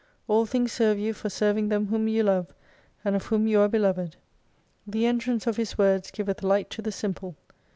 All things serve you for serving them whom you love, and of whom you are beloved. The entrance of His words giveth Light to the simple.